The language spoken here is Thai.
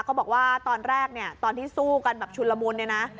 ก็บอกว่าตอนแรกตอนที่สู้กันชุนละมุน